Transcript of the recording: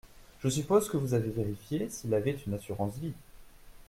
Je suppose que vous avez vérifié s’il avait une assurance-vie ?